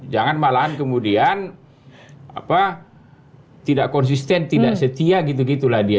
jangan malahan kemudian tidak konsisten tidak setia gitu gitu lah dia